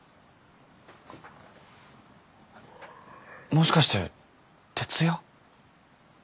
もしかして徹夜？